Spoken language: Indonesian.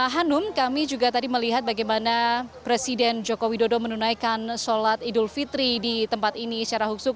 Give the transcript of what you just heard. hanum kami juga tadi melihat bagaimana presiden joko widodo menunaikan sholat idul fitri di tempat ini secara husuk